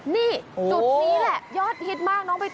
นี่จุดนี้แหละยอดฮิตมากน้องไปต่อ